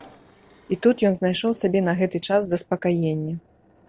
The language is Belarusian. І тут ён знайшоў сабе на гэты час заспакаенне.